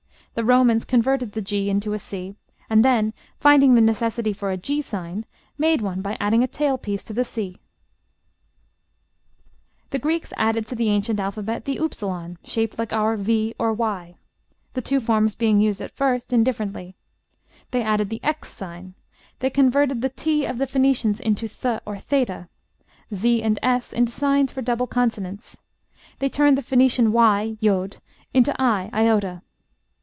The Romans converted the g into c; and then, finding the necessity for a g Sign, made one by adding a tail piece to the c (C, G). The Greeks added to the ancient alphabet the upsilon, shaped like our V or Y, the two forms being used at first indifferently: they added the X sign; they converted the t of the Phoenicians into th, or theta; z and s into signs for double consonants; they turned the Phoenician y (yod) into i (iota).